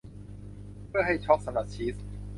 เพื่อให้ชอล์กสำหรับชีส